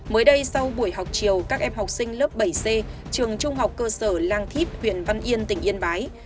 mới đây sau buổi học chiều các em học sinh lớp bảy c trường trung học cơ sở lang thíp huyện văn yên tỉnh yên bái